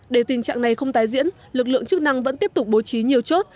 để tình trạng này không tái diễn lực lượng chức năng vẫn tiếp tục bố trí nhiều chốt